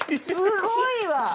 すごいわ。